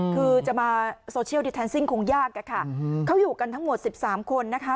คือจะมาคงยากอะค่ะเขาอยู่กันทั้งหมดสิบสามคนนะคะ